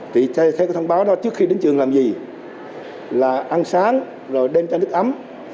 theo thông báo đó trước khi đến trường làm gì là ăn sáng đem chai nước ấm